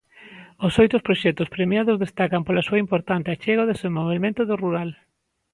Os oito proxectos premiados destacan pola súa importante achega ao desenvolvemento do rural.